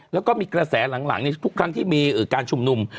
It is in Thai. แล้วก็มีกระแสหลังในทุกครั้งที่มีการชุมนุม